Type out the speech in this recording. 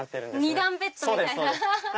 ２段ベッドみたいな！